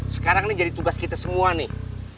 sekarang ini jadi tugas kita semua nih